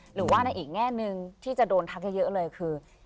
หรือว่าในอีกแง่หนึ่งที่จะโดนทักเยอะเลยคือ